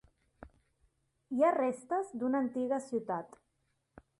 Hi ha restes d'una antiga ciutat.